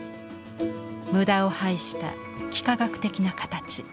無駄を排した幾何学的な形。